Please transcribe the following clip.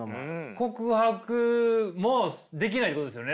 告白もできないってことですよね。